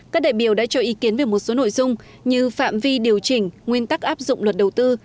các đại biểu đã cho ý kiến về một số nội dung như phạm vi điều chỉnh nguyên tắc áp dụng luật đầu tư